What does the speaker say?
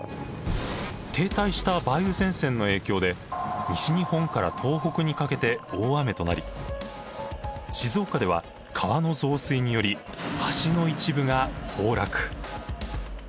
停滞した梅雨前線の影響で西日本から東北にかけて大雨となり静岡では川の増水により橋の一部が崩落。